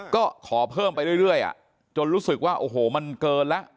ก็ขอเพิ่มไปเรื่อยจนรู้สึกว่าโอ้โหมันเกินแล้ว